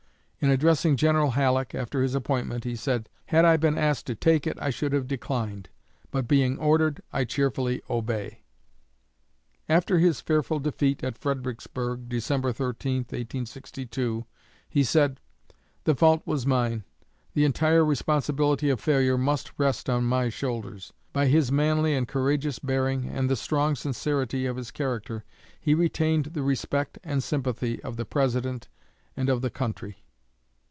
In addressing General Halleck, after his appointment, he said: "Had I been asked to take it, I should have declined; but being ordered, I cheerfully obey." After his fearful defeat at Fredericksburg (December 13, 1862), he said: "The fault was mine. The entire responsibility of failure must rest on my shoulders." By his manly and courageous bearing, and the strong sincerity of his character, he retained the respect and sympathy of the President and of the country.